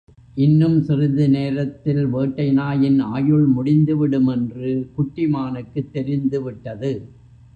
இன்னும் சிறிது நேரத்தில் வேட்டை நாயின் ஆயுள் முடிந்துவிடும் என்று குட்டி மானுக்குத் தெரிந்து விட்டது.